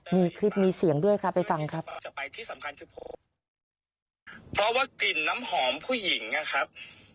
มีคลิปมีเสียงด้วยครับไปฟังครับ